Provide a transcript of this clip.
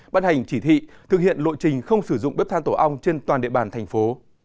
bán hành chỉ thị thực hiện lộ trình không sử dụng bếp than tổ ong trên toàn địa bàn thành phố